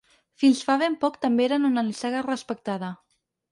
Fins fa ben poc, també eren una nissaga respectada.